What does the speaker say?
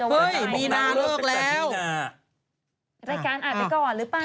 เฮ้ยโมค์นาลูกแล้วอุ๊ยพรรณากับพรรณา